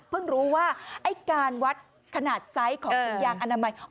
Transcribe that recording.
รู้ว่าไอ้การวัดขนาดไซส์ของถุงยางอนามัย